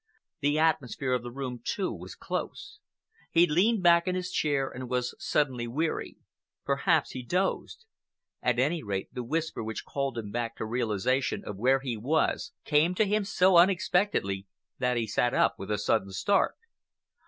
The atmosphere of the room, too, was close. He leaned back in his chair and was suddenly weary. Perhaps he dozed. At any rate, the whisper which called him back to realization of where he was, came to him so unexpectedly that he sat up with a sudden start.